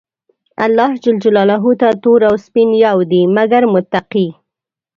الله ج ته تور او سپين يو دي، مګر متقي.